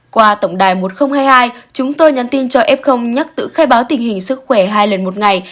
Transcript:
qua tổng đài một nghìn hai mươi hai chúng tôi nhắn tin cho f nhắc tự khai báo tình hình sức khỏe hai lần một ngày